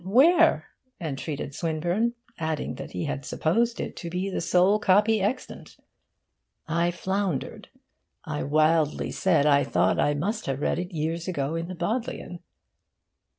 Where?' entreated Swinburne, adding that he had supposed it to be the sole copy extant. I floundered. I wildly said I thought I must have read it years ago in the Bodleian.